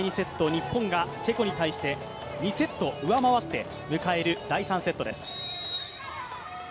日本がチェコに対して、２セット上回って迎える第３セットです。